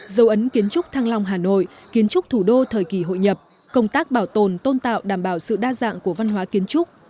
dấu ấn kiến trúc thăng long hà nội kiến trúc thủ đô thời kỳ hội nhập công tác bảo tồn tôn tạo đảm bảo sự đa dạng của văn hóa kiến trúc